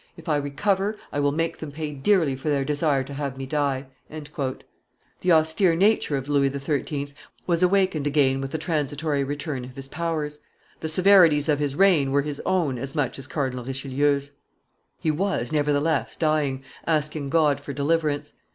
If I recover, I will make them pay dearly for their desire to have me die." The austere nature of Louis XIII. was awakened again with the transitory return of his powers; the severities of his reign were his own as much as Cardinal Richelieu's. He was, nevertheless, dying, asking God for deliverance.